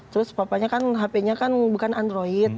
terus papanya kan hpnya kan bukan android